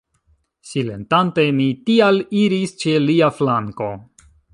Silentante mi tial iris ĉe lia flanko.